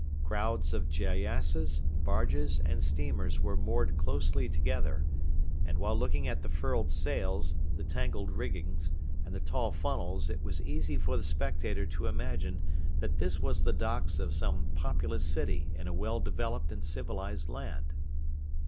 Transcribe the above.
Crowds of gyassas, barges, and steamers were moored closely together; and while looking at the furled sails, the tangled riggings, and the tall funnels it was easy for the spectator to imagine that this was the docks of some populous city in a well developed and civilised land.